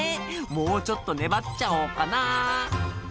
「もうちょっと粘っちゃおうかな」